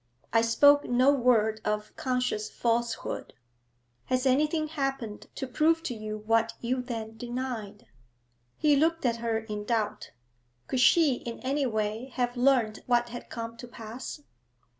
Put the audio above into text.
I spoke no word of conscious falsehood.' 'Has anything happened to prove to you what you then denied?' He looked at her in doubt. Could she in any way have learnt what had come to pass?